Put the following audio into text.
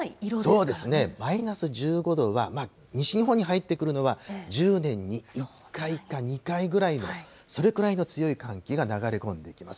マイナス１５度は、西日本に入ってくるのは１０年に１回か２回ぐらいの、それくらいの強い寒気が流れ込んできます。